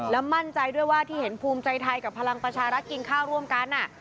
แล้วมั่นใจด้วยว่าที่เห็นภูมิใจไทยกับพลังประชารัฐกินข้าวร่วมกัน